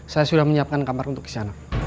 saya sudah menyiapkan kamar untuk kisanak